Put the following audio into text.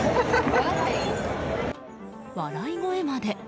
笑い声まで。